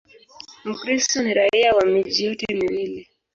Mkristo ni raia wa miji yote miwili.